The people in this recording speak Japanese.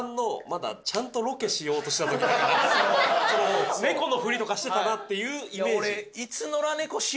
まだちゃんとロケしようとしたときだから猫のふりとかしてたなっていうイメージ